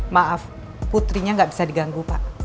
maaf putrinya nggak bisa diganggu pak